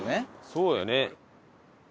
そうだね。